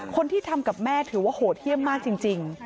คนที่ทำกับแม่ถือว่าโหดเยี่ยมมากจริง